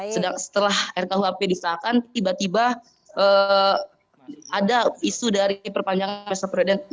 setelah rkuhp disahkan tiba tiba ada isu dari perpanjangan masa periode